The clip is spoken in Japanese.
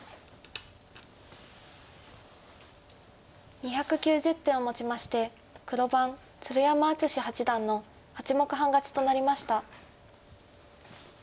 ２９０手をもちまして黒番鶴山淳志八段の８目半勝ちとなりました。